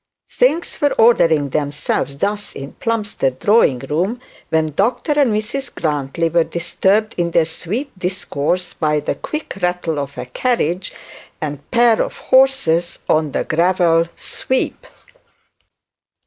Things were ordering themselves thus at Plumstead drawing room when Dr and Mrs Grantly were disturbed in their sweet discourse by the quick rattle of a carriage and a pair of horses on the gravel sweep.